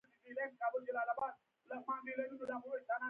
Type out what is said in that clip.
يو مهال د پوهنتون د دېوال سره موازي خوشې و.